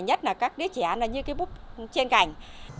nhất là các đứa trẻ là như cái búp trên cành